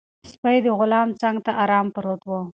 سپی د غلام څنګ ته ارام پروت و.